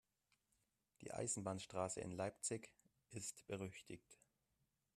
Die Eisenbahnstraße in Leipzig ist berüchtigt.